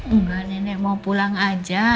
enggak nenek mau pulang aja